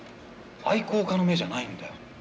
愛好家の目じゃないんだよ。